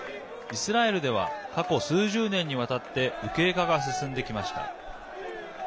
イスラエルでは過去数十年にわたって右傾化が進んできました。